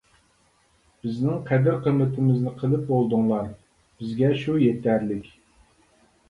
بىزنىڭ قەدىر-قىممىتىمىزنى قىلىپ بولدۇڭلار، بىزگە شۇ يېتەرلىك.